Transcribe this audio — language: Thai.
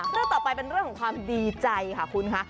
เรื่องต่อไปเป็นเรื่องของความดีใจค่ะคุณค่ะ